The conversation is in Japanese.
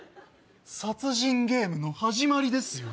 殺人ゲームの始まりですよ。